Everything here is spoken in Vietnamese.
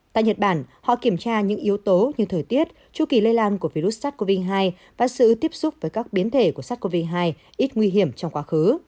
tại nhật bản họ kiểm tra những yếu tố như thời tiết tru kỳ lây lan của virus sars cov hai và sự tiếp xúc với các biến thể của sars cov hai ít nguy hiểm trong quá khứ